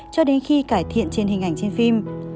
cho đến khi cải thiện trên hình ảnh trên phim